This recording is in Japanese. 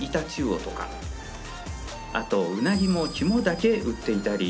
あとウナギの肝だけ売っていたり。